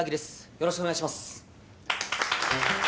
よろしくお願いします。